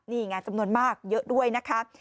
นี่ไงจำนวนมากเยอะด้วยนะคะ